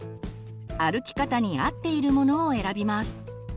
歩き方に合っているものを選びます。